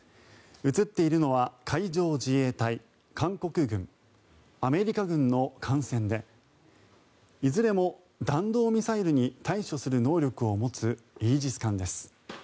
写っているのは海上自衛隊韓国軍、アメリカ軍の艦船でいずれも弾道ミサイルに対処する能力を持つイージス艦です。